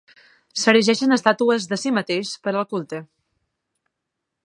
S'erigeixen estàtues de si mateix per al culte.